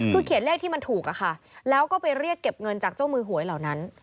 คือเขียนเลขที่มันถูกอะค่ะแล้วก็ไปเรียกเก็บเงินจากเจ้ามือหวยเหล่านั้น